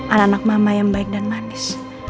anak anak mama yang baik dan manis